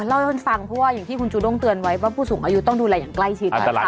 เล่าให้ฟังเพราะว่าอย่างที่คุณจูด้งเตือนไว้ว่าผู้สูงอายุต้องดูแลอย่างใกล้ชิด